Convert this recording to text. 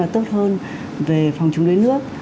tốt hơn về phòng chống đuối nước